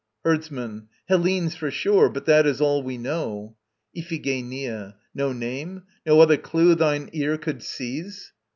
HERDSMAN. Hellenes for sure, but that is all we know. IPHIGENIA. No name? No other clue thine ear could seize?